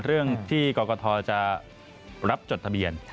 เรื่องที่กรกฐจะรับจดทะเบียน